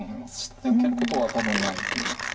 下で受けることは多分ないと思います。